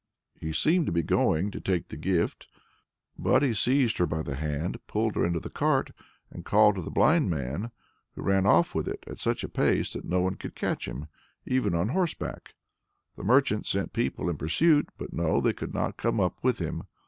He [seemed to be going] to take the gift, but he seized her by the hand, pulled her into the cart, and called to the blind man, who ran off with it at such a pace that no one could catch him, even on horseback. The merchant sent people in pursuit but no, they could not come up with him.